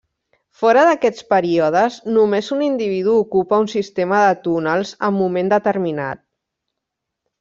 Fora d'aquests períodes només un individu ocupa un sistema de túnels en moment determinat.